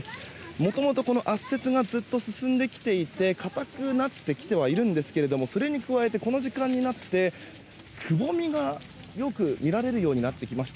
もともと圧雪がずっと進んできていて固くなってきてはいるんですけどもそれに加えて、この時間になってくぼみがよく見られるようになってきました。